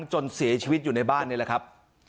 จนเสียชีวิตอยู่ในบ้านนี่แหละครับ